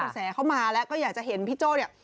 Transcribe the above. แสเข้ามาแล้วก็อยากจะเห็นพี่โจ้เนี่ย